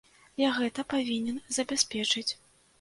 Я гэта павінен забяспечыць.